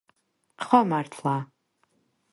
ხო მართლა